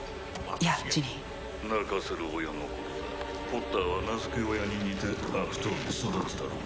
やあジニー泣かせる親心だポッターは名付け親に似て悪党に育つだろうよ